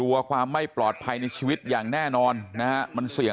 พวกมันกลับมาเมื่อเวลาที่สุดพวกมันกลับมาเมื่อเวลาที่สุด